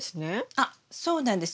あっそうなんです。